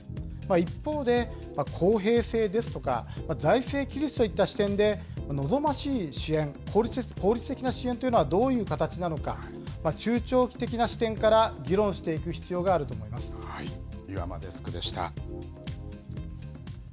一方で、公平性ですとか、財政規律といった視点で、望ましい支援、効率的な支援というのはどういう形なのか、中長期的な視点から議岩間デスクでした。